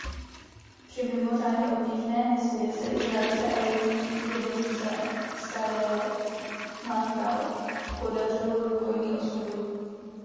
Při mimořádně obtížné misi se izraelské elitní jednotce Sajeret Matkal podařilo rukojmí osvobodit.